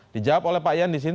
dijawab oleh pak ian di sini